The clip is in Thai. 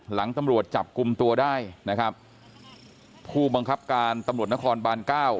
หลังตำรวจจับกลุ่มตัวได้ผู้บังคับการตำรวจนครบาน๙